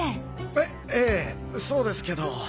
えええそうですけど。